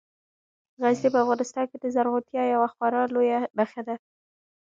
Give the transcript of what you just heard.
غزني په افغانستان کې د زرغونتیا یوه خورا لویه نښه ده.